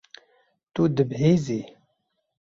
Tu dibihîzî.